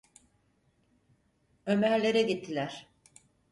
Ömer'lere gittiler.